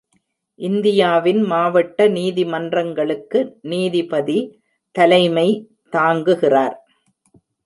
இந்தியாவின் மாவட்ட நீதிமன்றங்களுக்கு நீதிபதி தலைமை தாங்குகிறார்.